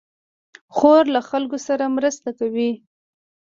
خور له خلکو سره مرسته کوي.